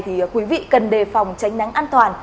thì quý vị cần đề phòng tránh nắng an toàn